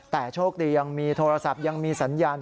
แต่โชคดียังมีโทรศัพท์ยังมีสัญญาณ